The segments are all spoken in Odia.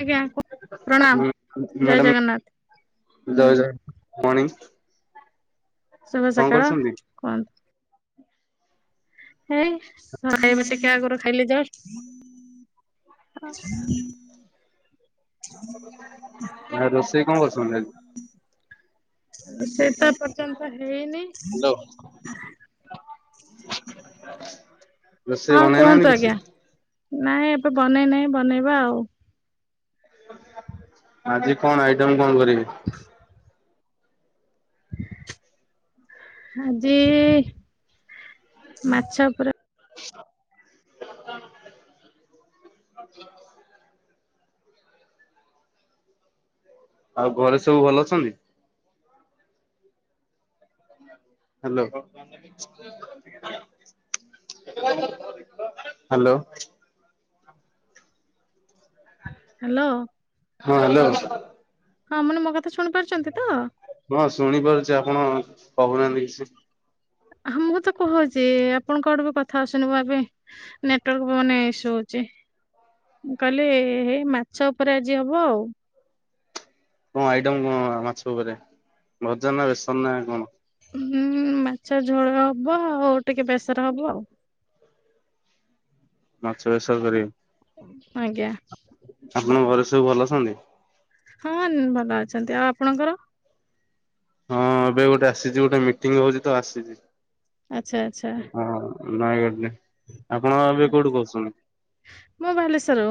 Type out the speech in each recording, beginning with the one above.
ଆଜ୍ଞା କୁ [inaudible] ହୁଁ ପ୍ରଣାମ ଜୟ ମ୍ୟାଡମ୍ ଜଗନ୍ନାଥ ହୁଁ ଜୟଜଗନ୍ନାଥ। ମଣିିଂ। ଶୁଭ ସକାଳ କୁହନ୍ତୁ। ହେଇ ଖାଇବା ଟିକେ ଆଗରୁ ଖାଇଲି ଜଷ୍ଟ। ହଁ। ଆଉ ରୋଷେଇ କଣ କରଚନ୍ତି ଆଜି? ରୋଷେଇ ତ ଏପର୍ଯ୍ୟନ୍ତ ହେଇନି। ହ୍ୟାଲୋ। [unintelligible] ରୋଷେଇ ହଁ ବନେଇ ନାହାନ୍ତି କୁହନ୍ତୁ କିଛି? ଆଜ୍ଞା। ନାଇଁ ଏବେ ବନେଇ ନାହିଁ, ବନେଇବା ଆଉ। ଆଜି କଣ? ଆଇଟମ କ'ଣ କରିବେ? ଆଜି ମାଛ ପୁର [inaudible] ଆଉ, ଘରେ ସବୁ ଭଲ ଅଛନ୍ତି? ହାଲୋ। ହାଲୋ। ହ୍ୟାଲୋ। ହଁ, ହ୍ୟାଲୋ। ହଁ, ମାନେ, ମୋ କଥା ଶୁଣି ପାରୁଛନ୍ତି? ତ ହଁ, ଶୁଣିପାରୁଛି, ଆପଣ କହୁନାହାନ୍ତି କିଛି। ହୁଁ, ମୁଁ ତ କହୁଛି ଆପଣଙ୍କଠୁ ବି କଥା ଆସୁନି ଭାବେ ନେଟୱାର୍କ ମାନେ ଇସୁ ଅଛି ଯେ ମୁଁ କହିଲି ହେଇ ମାଛ ପରେ ଆଜି ହବ। କ'ଣ ଆଇଟମ୍ କଣ ମାଛ ଉପରେ? ଭଜା ନା, ବେସନ ନା କଣ? ହୁଁ ମାଛ ଝୋଳ ହବ, ଆଉ ଟିକେ ବେସରେ ହବ ଆଉ। ମାଛ ବେସର କରିବେ? ଆଜ୍ଞା। ଆପଣଙ୍କ ଘରେ ସବୁ ଭଲ ଅଛନ୍ତି? ହଁ, ଭଲ ଅଛନ୍ତି। ଆଉ ଆପଣଙ୍କର? ହଁ, ଏବେ ଗୋଟେ ଆସିଛି, ଗୋଟେ ମିଟିଂ ହଉଛି ତ ଆସିଛି। ଆଚ୍ଛା, ଆଚ୍ଛା। ନୟାଗଡ଼ ରେ। ଆଉ ମୁଁ ବାଲେଶ୍ୱର ରୁ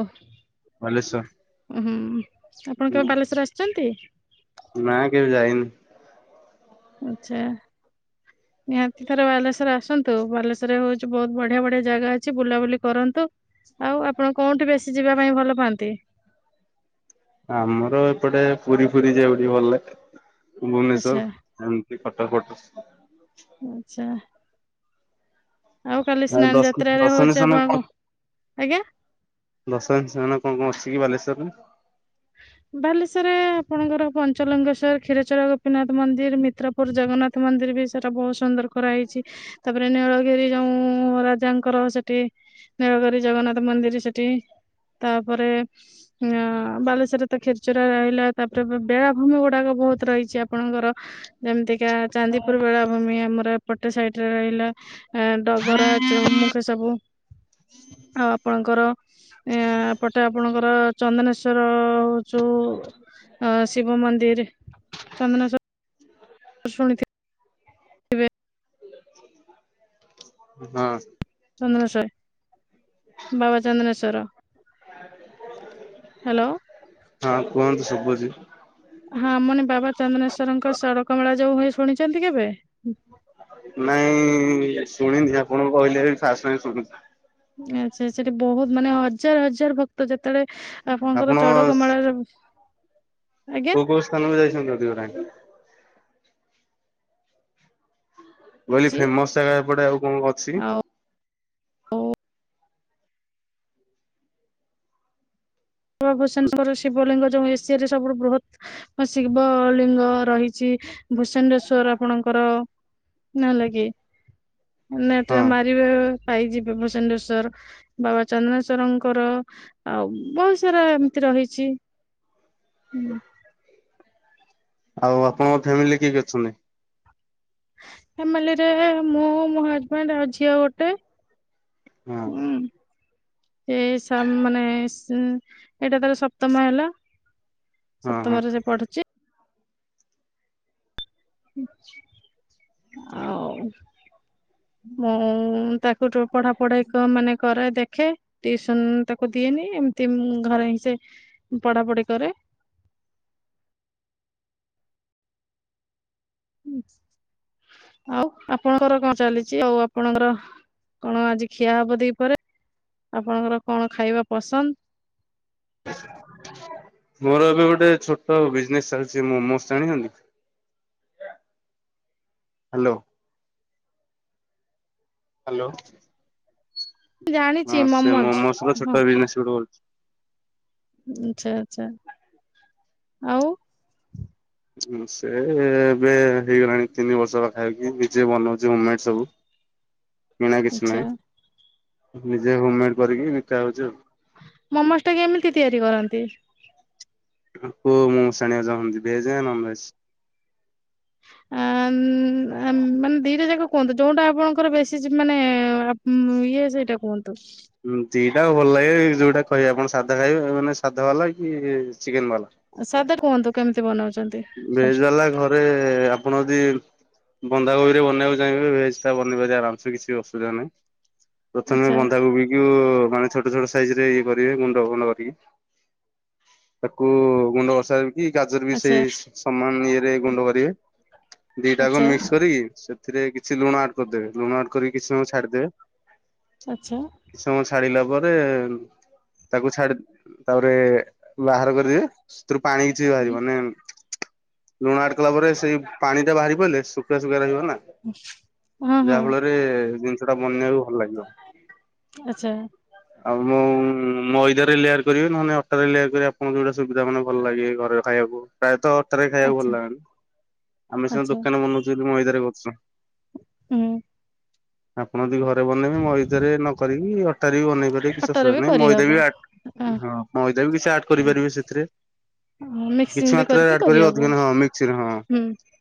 ବାଲେଶ୍ଵର? ହୁଁ ହୁମ, ଆପଣ କେବେ ହୁଁ ବାଲେଶ୍ଵର ଆସିଛନ୍ତି? ନା, କେବେ ଯାଇନି। ଆଚ୍ଛା। ନିହାତି ଥରେ ବାଲେଶ୍ୱର ଆସନ୍ତୁ। ବାଲେଶ୍ଵରରେ ହଉଛି ବହୁତ ବଢିଆ ବଢିଆ ଜାଗା ଅଛି, ବୁଲାବୁଲି କରନ୍ତୁ। ଆଉ ଆପଣ କୋଉଠି ବେଶୀ ଯିବା ପାଇଁ ଭଲ ପାଆନ୍ତି? ଆମର ତ ଏପଟେ ପୁରୀ ଫୁରୀ ଯାଉଛି ଭଲ ଆଚ୍ଛା ଭୁବନେଶ୍ଵର, ଏମିତି କଟକ ଫଟକ। ଆଚ୍ଛା। ଆଉ କାଲି ଆଉ ସ୍ନାନ ଦର୍ଶନ ଯାତ୍ରାରେ ହଉଛି ଦର୍ଶନୀୟ ସ୍ଥାନ ଆପଣ ପା ଆଜ୍ଞା। ଦର୍ଶନୀୟ ସ୍ଥାନ କଣ କଣ ଅଛିକି? ବାଲେଶ୍ଵରରେ? [inaudible] ବାଲେଶ୍ୱର ରେ ଆପଣଙ୍କର ପଞ୍ଚଲଙ୍ଗେଶ୍ୱର, କ୍ଷୀରଚର ଗୋପୀନାଥ ମନ୍ଦିର, ମିତ୍ରପୁର ଜଗନ୍ନାଥ ମନ୍ଦିର। ଫିର ବି ସେଟା ବହୁତ ସୁନ୍ଦର କରା ହେଇଛି, ତାପରେ ନୀଳଗିରି ଯୋଉ ରାଜାଙ୍କର ସେଠି ନୀଳଗରି ଜଗନ୍ନାଥ ମନ୍ଦିର ସେଠି। ତା'ପରେ, ଆଉଁ ବାଲେଶ୍ୱର ସେଥିରେ ତ ଖେଚୁରା ରହିଲା, ତା'ପରେ ବେଳାଭୂମି ଗୁଡାକ ବହୁତ ରହିଛି ଆପଣଙ୍କର। ଯେମିତିକା - ଚାନ୍ଦିପୁର ବେଳା ଭୂମି, ଆମର ଏପଟେ ସାଇଡରେ ରହିଲା। ହଁ ଡଗରା ଯଉଁ ମୁଖେ ସବୁ ଆଉ ଆପଣଙ୍କର, ଏଁ ଏପଟେ ଆପଣଙ୍କର ଚନ୍ଦନେଶ୍ଵର ଆ ଯଉଁ ଶିବ ମନ୍ଦିର, ଚନ୍ଦନେଶ୍ଵର। ଶୁଣିଥି ହଁ ଚନ୍ଦନେଶ୍ଵର, ବାବା ଚନ୍ଦ୍ରନେଶ୍ଵର। ହାଲୋ। ହଁ, କୁହନ୍ତୁ ସବୁଚି। ହଁ, ମନେ ବାବା ଚନ୍ଦନେଶ୍ଵରଙ୍କ ସଡକ ମେଳା ଯୋଉ ହୁଏ ଶୁଣିଛନ୍ତି କେବେ? ନାଇଁ ବି ଶୁଣିନି, ଆପଣ କହିଲେ ଫାର୍ଷ୍ଟ ଟାଇମ୍ ଶୁଣିଛି। ଆଚ୍ଛା, ଆଚ୍ଛା। ସେଠି ବହୁତ, ମାନେ ହଜାର ହଜାର ଭକ୍ତ ଯେତେବେ ଆପଣଙ୍କର ଆପଣ ଚଡକମେଳା ଯୋଗୁଁ। ଆଜ୍ଞା। କୋଉ କୋଉ ସ୍ଥାନକୁ ଯାଇଛନ୍ତି ଅଧିକ ଟାଇମ୍ ମୁଁ ମୁଁ କହିଲି ଛି ଫେମସ ଜାଗା ଏପଟେ ଆଉ କଣ ଅଛି? ଆଉ ଅ ଭୂଷଣ୍ଡେପୁର ଶିବଲିଙ୍ଗ ଉ ଏସିଆରେ ସବୁଠୁ ବୃହତ ଶିବ ଲିଙ୍ଗ ରହିଛି ଭୂସଣ୍ଡେଶ୍ଵର ଆପଣଙ୍କର ର ନହେଲେ କି ନେଟ ହଁ ରେ ମାରିବେ ପାଇ ଯିବେ, ଭୁସଣ୍ଡେଶ୍ଵର ବାବା ଚନ୍ଦନେଶ୍ଵରଙ୍କର ଆଉ ବ ଯୋଉରା ଏମିତି ରହିଛି ହୁଁ। ଆଉ ଆପଣଙ୍କ ଫ୍ୟାମିଲି କିଏ କିଏ ଅଛନ୍ତି? ଫେମିଲିରେ ମୁଁ ମୋ ହଜବେଣ୍ଡ ଆଉ ଝିଅ ଗୋଟେ। ହଁ। ଏ ସା ମାନେ ସ ଏଇଟା ତାର ସପ୍ତମ ହେଲା। ହଁ ହଁ ସପ୍ତମରେ ସେ ପଢୁଛି। ଆଉ ମୁଁ-ଉ-ଉ-ଉ ତାକୁ ଟୋ ପଢା ପଢାଇ କ ମାନେ କରାଏ ଦେଖେ ଟିଉସନ ତାକୁ ଦିଏନି ଏମତି ତିମ୍ ଘରେ ହିଁ ସେ ପଢାପଢି କରେ। ଆଉ ଆପଣଙ୍କର କଣ ଚାଲିଛି ଆଉ ଆପଣଙ୍କର କଣ ଆଜି ଖିଆ ହବ ଦି ପହରେ, ଆପଣଙ୍କର କଣ ଖାଇବା ପସନ୍ଦ? [inaudible] ମୋର ଏବେ ଗୋଟେ ଛୋଟ ବିଜନେସ ଚାଲିଛି ମୋମୋସ୍ ଜାଣିଛନ୍ତି? ହ୍ୟାଲୋ। ହ୍ୟାଲୋ। ହଁ ଜାଣିଛି ସେ ମମୋଜ ମୋମୋସ୍ ର ଛୋଟ ବିଜନେସ୍ ଗୋଟେ କରୁଛି। ଆଛା ଆଛା ଆଉ ଉ ସେ-ଏ-ଏ ଏବେ ହେଇଗଲାଣି ତିନି ବର୍ଷ ପାଖାପାଖି, ନିଜେ ବନଉଛି ହୋମ୍ ମେଡ୍ ସବୁ। [inaudible] କିଣା କିଛି ନାଇଁ। ଆଉ। ମୋମୋସ ଟା କେମିତି ତିଆରି କରନ୍ତି? କୋଉ ମୋମସ ଜାଣିବାକୁ ଚାହୁଁଛନ୍ତି ଭେଜ ନାଁ ନନଭେଜ? ଅ-ଅ-ଅ-ଅ ଅ-ମ୍-ମ୍ ମାନେ ଦିଟା ଯାକ କୁହନ୍ତୁ। ଯୋଉଟା ଆପଣଙ୍କର ବେଶୀ ଯି ମାନେ-ଏ-ଏ-ଏ ହୁଁ ଇଏ ସେଇଟା କୁହନ୍ତୁ। ଦିଟାଙ୍କ ଭଲ ଲାଗେ। ଯୋଉଟା କହିବେ ଆପଣ ସାଧା ଖାଇବେ ମାନେ ସାଧା ଵାଲା କି-ଇ-ଇ-ଇ ଚିକେନ ବାଲା। ସାଧା କୁହନ୍ତୁ କେମିତି ବନଉ ଭେଜ୍ ବାଲା ଘରେ-ଏ-ଏ ଆ ଆପଣ ଯଦି ବନ୍ଧାକୋବି ରେ ବନେଇବାକୁ ଚାହିଁବେ। ଭେଜ ଟା ବନେଇ ପାରିବେ ଆରାମ ସେ କିଛି ଅସୁବିଧା ନାହିଁ। ପ୍ରଥମେ ଆଚ୍ଛା ବନ୍ଧାକୋବିକୁ ମାନେ ଛୋ ଛୋଟ ଛୋଟ ସାଇଜ ରେ ଇଏ କରିବେ ଗୁଣ୍ଡ ଫୁଣ୍ଡ କରିକି। ତାକୁ ଗୁଣ୍ଡ କଷା କରିକି ଗାଜର ବି ଆଚ୍ଛା ସେଇ ସମାନ ଇଏରେ ଗୁଣ୍ଡ କରିବେ। ଦିଟାକୁ ଆଚ୍ଛା ମିକ୍ସ କରିକି ସେଥିରେ କିଛି ଲୁଣ ଆଡ କରିଦେବେ। ଲୁଣ ଆଡ୍ କରିିକ କିଛି ସମୟ ଛାଡିଦେବେ। ଆଚ୍ଛା କିଛି ସମୟ ଛାଡିଲା ପରେ, ତାକୁ ଛାଡି ତାପରେ ବାହାର କରିବେ। ସେଥିରୁ ପାଣି କିଛି ହୁଁ ବାହାରିବ ମାନେ ଲୁଣ ଆଡ୍ କଲା ପରେ ସେଇ ପାଣି ଟା ବାହାରି ପଡିଲେ ଶୁଖୀଲା ଶୁଖୀଲା ରହିବ। ନା ହଁ ହଁ ଯାହା ଫଳରେ ଜିନିଷ ଟା ବନେଇବାକୁ ଭଲ ଲାଗିବ। ଆଛା। ଆଉ ମୋମ ମଇଦାରେ ଲେଆର କରିବେ ନହେଲେ ଅଟାରେ ଲେଆର କରିବ। ଆପଣ ଯଉଟା ସୁବିଧା ମାନେ ଭଲ ଲାଗିବେ ଘରେ ଖାଇବାକୁ। ପ୍ରାୟତଃ ଘରେ ଖାଇବାକୁ ଆଚ୍ଛା ଭଲ ଲାଗେନା। ଆମେ ସିନା ଆଚ୍ଛା ଦୋକାନରେ ବନଉଛୁ ବୋଲି ମଇଦାରେ କରୁଛୁ। ହୁଁ। ଆପଣ ଯଦି ଘ ରେ ବନେଇବେ। ମଇଦାରେ ନ କରିକି ଅଟାରେ ବି ବନେଇ ପାରିବେ କିଛି ଅଟାରେ ଅସୁବିଧା ବି ନାଇଁ ମଇଦା କରିହବ ବି ଆ ହଁ, ମଇଦା ବି କିଛି ଆଡ୍ କରିପାରିବେ ସେଥିରେ। ଅ ମିକ୍ସିଂ ବି କରିକି କ କରି ଅଧିକ ନା ହଁ, ମିକ୍ସ ହଁ,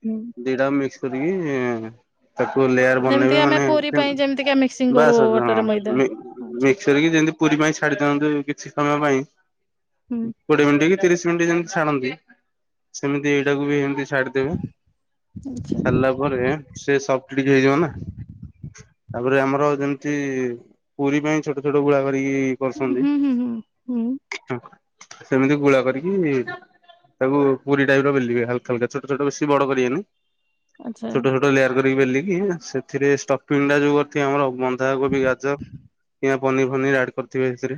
ହୁଁ ଦିଟା କ ମିକ୍ସ କରିକିଁ-ଇଁ ତାକୁ ଲେୟାର ଯେମିତି ବନେଇବେ ଆମେ ମାନେ, ପୁରୀ କେମ୍ ପାଇଁ ଯେମିତି କି ମିକ୍ସିଂ କରୁ ବାସ୍ ବାସ୍ ହଁ, ଅଟାରେ ମଇଦା। ଆଚ୍ଛା ମି-ମିକ୍ସ କରିକି ଯେଁତି ପୁରୀ ପାଇଁ ଛାଡି ଦିଅନ୍ତି କି? କିଛି ସମୟ ପାଇଁ, କୋଡିଏ ମିନ୍ଟି କି ତିରିଶ ମିନ୍ଟି ଯେମିତି ଛାଡନ୍ତି ସେମିତି ଏଇଟାକୁ ବି ଏମତି ଛାଡିଦେବେ। ଆଚ୍ଛା ସାରିଲା ପରେ ସେ ସଫ୍ଟ ଟିକେ ହେଇଯିବ ନା। ତା'ପରେ ଆମର ର ଯେମିତି-ଇ ପୁରୀ ପାଇଁ ଛୋଟ ଛୋଟ ଗୁଳାକର ରିକି କରୁସନ୍ତି। ହୁଁ ଆଚ୍ଛା ହୁଁ ହୁଁ ହୁଁ ହୁଁ ହଁ, ସେମିତି ଗୁଳା କରିକି ତାକୁ ପୁରୀ ଟାଇପ୍ ର ବେଲିବେ ହଲ୍କା ହାଲ୍କା ଛୋଟ ଛୋଟ ବେଶୀ ବଡ କରିବେନି! ଆଚ୍ଛା ଛୋଟ ଛୋଟ କରି ବେଲକି, ସେଥିରେ ଷ୍ଟଫିଂ ଟା ଯଉ କରିଥିବେ ଆମର! ବନ୍ଧାକୋବି, ଗାଜର କିଆଁ ପନିର୍ ଫନିର୍ ଆଡ କରିଥିବେ, ହେଥିରେ।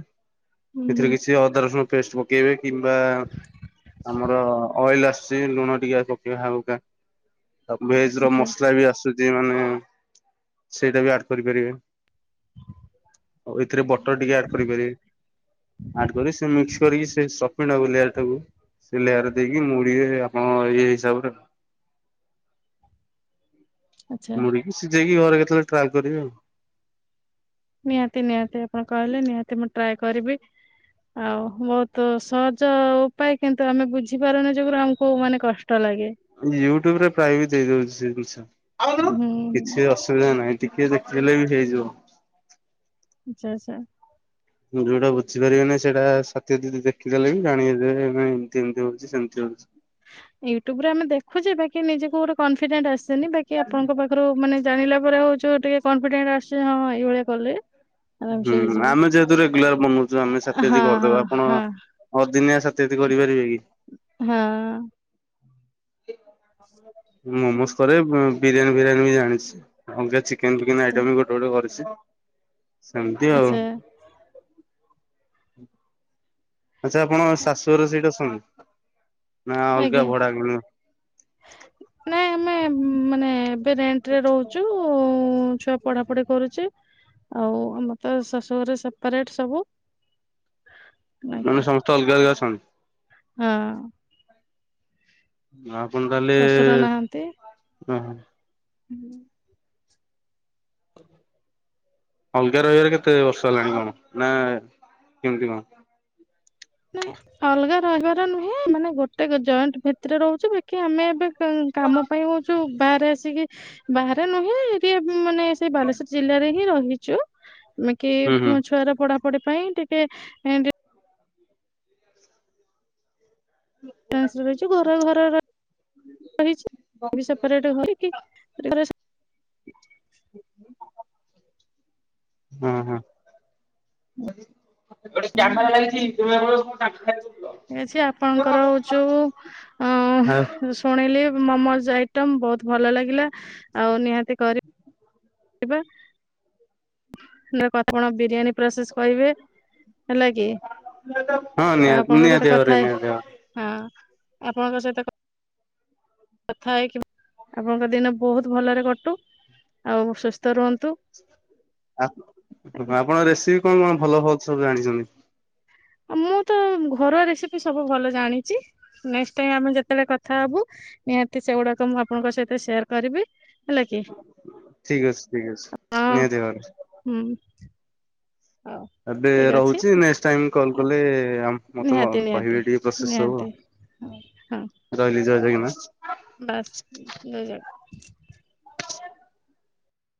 ହୁଁ ସେଥିରେ ହୁଁ କିଛି ଅଦା ରସୁଣ ପେଷ୍ଟ ପକେଇବେ। କିମ୍ବା ଆମର ଲି ଆସୁଛି ଲୁଣ ଟିକେ ପକେଇବେ, ହାଲ୍କା ଭେଜ୍ ର ଆଚ୍ଛା ମସଲା ବି ଆସୁଛି ମାନେ ସେଇଟା ବି ଆଡ କରିପାରିବେ। ଆଉ ଏଥିରେ ବ ଟ ଟିକେ ଆଡ଼୍ କରିପାରିବେ। ଆଡ୍ କରି ସେ ମିକ୍ସ କରିକି ସେ ସପିଙ୍ଗ୍ଟା ବୁଲେଇଆ ତାକୁ ଦି ଲେୟାର ଦେଇକି ମୁଡିିବେ, ଆପଣ ଇଏ ହିସାବରେ। ଆଚ୍ଛା। ମୁରିକି ସିଯେଇକି, ଘରେ କେତେବେଳେ ଟ୍ରାଏଲ କରିବେ ଆଉ। ନିହାତି, ନିହାତି, ଆପଣ କହିଲେ ନିହାତି ମୁଁ ଟ୍ରାଏ କରିବି। ଆଉ ବହୁତ ସହଜ ଉପାୟ କିନ୍ତୁ, ଆମେ ବୁଝିପାରୁନୁ ଯୁଗୁରୁ ଆମକୁ ମାନେ କଷ୍ଟ ଲାଗେ। ୟୁଟ୍ୟୁବ ରେ ପ୍ରାୟ ବି ଦେଇ ଦଉଛି ସେ ଜିନିଷ। ହୁଁ କିଛି ଅସୁବିଧା ନାହିଁ। ଟିକେ ଦେଖିଦେଲେ ବି ହେଇଯିବ। ଆଛା ଆଛା। ଯୋଉଟା ବୁଝିପାରିବେନି! ସେଇଟା ସତ୍ୟ ଦିଦି ଦେଖିଦେଲେ ବି ଜାଣି ହେଇଯିବ। ଯେ ନାଇଁ ଏମିତି ଏମିତି ହଉଛି, ସେମିତି ହଉଛି। ୟୁଟ୍ୟୁବରେ ଆମେ ଦେଖୁଛେ। ବାକି ନିଜକୁ ଗୋଟେ କନଫିଡେଣ୍ଟ ଆସେନି। ବାକି ଆପଣଙ୍କ ପାଖରୁ ମାନେ ଜଣିଲା ପରେ, ହଉଛୁ ଟିକେ କନଫିଡେଣ୍ଟ ଆସଛି ହଁ ଏଇଭଳିଆ କଲେ ଆରାମସେ ହୁଁ, ହେଇଯିବ। ଆମେ ଯେହେତୁ ରେଗୁଲାର ବନଉଛୁ ଆମେ ସାଥି ହଁ ଆଦି ହଁ କରିଦେବା, ଆପଣ ହଁ ଅଦିନିଆ ସା ଇତ୍ୟାଦି କରିପାରିବେ କି? ହଁ। ମୁଁ ମମୋସ୍ କରେ। ବିରିୟାନୀ ଫିରିୟାନୀ ବି ଜାଣିଛି। ଅଙ୍ଗାଚି କେନ୍ ଫିକେନ୍ ଆଇଟମ୍ ବି ଆଚ୍ଛା ଗୋଟେ ଗୋଟେ କରିଛି। ସେମିତି ଆଉ। ଆଚ୍ଛା ଆଚ୍ଛା, ଆପଣ ଆ- ଶାଶୁହର ସେଇଟି ଅସନ୍ତି। ନା ଅଲଗା ଆଜ୍ଞା। ଭଡ଼ା [unintelligible] ନାଇଁ ଆମେ ମାନେ ଏବେ ରେଣ୍ଟ ରେ ରହୁଛୁ-ଉଁ, ଛୁଆ ପଢାପଢି କରୁଛି। ଆଉ, ଆମର ତ ଶାଶୁଘରେ ସେପାରେଟ୍ ସବୁ। ନାକି ମାନେ, ସମସ୍ତେ ଅଲଗା ଅଲଗା ଅଛନ୍ତି। ହଁ। ଆପଣ, ତାହଲେ-ଏ ଶ୍ୱଶୁର ଓହୋ!। ହୁଁ। ଅଲଗା ରହିବାରେ କେତେ ବର୍ଷ ହେଲାଣି କଣ ନା କେମିତି କଣ? ନେ ଅଲଗା ରହିବାର ନୁହେଁ। ମାନେ, ଗୋଟେ ଜଏଣ୍ଟ ଭିତରେ ରହୁଛୁ। ବାକ୍ କି ଆମେ ଏବେ କ-କାମ ପାଇଁ ହଉଛୁ, ବାହାରେ ଆସିକି ବାହାରେ ନୁହେଁ! ଏଟି ଏ ମାନେ ସେଇ ବାଲେଶ୍ୱର ଜିଲ୍ଲାରେ ହିଁ ରହିଛୁ। ଆମେ କି ହୁଁ ହୁଁ ପୁଅଁ ଛୁଆର ପଢା ପଢ଼ି ପାଇଁ ଟିକେ ରେନ୍ସରେ ରହିଛୁ। ଘର ଘର ର ରହିଛି। ସେପାରେଟ୍ [inaudible] ସେ ହଁ, ହଁ। ଗୋଟେ କ୍ୟାମେରା ଲାଗିଛି ତୁମେ [unintelligible] ଖାଇଆ ଦେଉଥିଲ। ଠିକ୍ ଅଛି ଆପଣଙ୍କର ଯୋଉ ଅଁ ଶୁଣିଲି। ମମୋଜ ଆଇଟମ୍ ବହୁତ ଭଲ ଲାଗିଲା ଆଉ ନିହାତି କର କଥା [unintelligible] ଆପଣ ବିରିୟାନୀ ପ୍ରସେସ୍ କହିବେ ହେଲା କି। ଆଉ ନିହାତି ଆପଣଙ୍କ ସହିତ ନିହାତି କଥା ଭାବରେ ହେ ନିହାତି ଭାବରେ ହଁ ଆପଣଙ୍କ ସହିତ କଥା ହେଇକି ଆପଣଙ୍କ ଦିନ ବହୁତ ଭଲରେ କଟୁ ଆଉ ସ୍ୱସ୍ଥ ରୁହନ୍ତୁ। ହ ଆଜ୍ଞା ଆପଣ ରେସିପି କଣ କଣ ଭଲ ହଉ ସବୁ ଜାଣିଛନ୍ତି। ମୁଁ ତ ଘରୁଆ ରେସିପି ସବୁ ଭଲ ଜାଣିଛି ନେକ୍ସ ଟାଇମ୍ ଆମେ ଯେତେବେଳେ କଥା ହବୁ ନିହାତି ସେଗୁଡାକ ମୁଁ ଆପଣଙ୍କ ସହିତ ସେୟାର କରିବି। ହେଲା କି ଠିକ ଅଛି ଠିକ ଅଛି। ହଁ ନିହାତି ଭାବରେ ହୁଁ। ହଉ ଏବେ ଠିକ ଅଛି ରହୁଛି ନେକ୍ସ ଟାଇମ୍ କଲ କଲେ ମତେ ନିହାତି ନିହାତି କହିବେ ଟିକେ ପ୍ରୋସେସ ସବୁ ନିହାତି ଆଉ। ହଁ। ରହିଲି ଜଏ ଜଗନ୍ନାଥ୍ ବାସ୍ ଜାଜାଅ